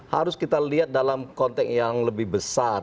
harus kita lihat dalam konteks yang lebih besar